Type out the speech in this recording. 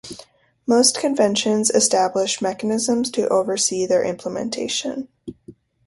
Most conventions establish mechanisms to oversee their implementation.